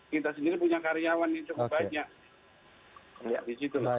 kita sendiri punya karyawan yang cukup banyak